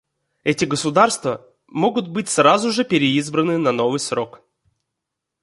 Эти государства могут быть сразу же переизбраны на новый срок.